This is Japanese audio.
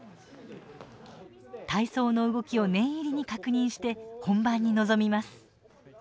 体操の動きを念入りに確認して本番に臨みます。